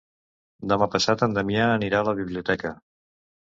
Demà passat en Damià anirà a la biblioteca.